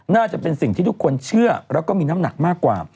น่าจะเป็นสิ่งที่ทุกคนเชื่อแล้วก็มีน้ำหนักมากกว่า